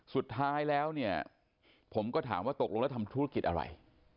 สุดท้ายแล้วเนี่ยผมก็ถามว่าตกลงแล้วทำธุรกิจอะไร